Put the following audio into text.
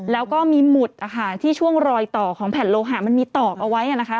แล้วก็มีหมุดนะคะที่ช่วงรอยต่อของแผ่นโลหะมันมีตอกเอาไว้นะคะ